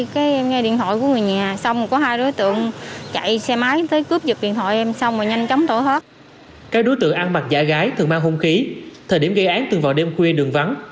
các đối tượng ăn mặc giả gái thường mang hôn khí thời điểm gây án từng vào đêm khuya đường vắng